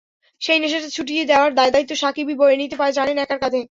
সেই নেশাটা ছুটিয়ে দেওয়ার দায়দায়িত্ব সাকিবই বয়ে নিতে জানেন একার কাঁধে।